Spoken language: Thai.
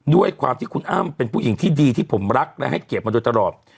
ด้วยความที่คุณอ้ำเป็นผู้หญิงที่ดีที่ผมรักและให้เกียรติมาโดยตลอด